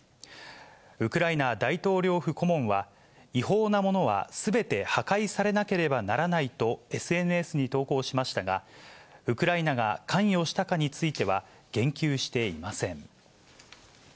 ウクライナ大統領府顧問は、違法なものはすべて破壊されなければならないとＳＮＳに投稿しましたが、ウクライナが関与したかについては言及していません。